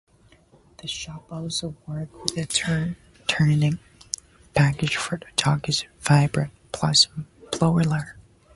The shop also worked with tuning packages for the Dodge Viper and Plymouth Prowler.